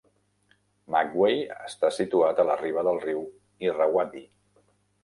Magway està situat a la riba del riu Irrawaddy.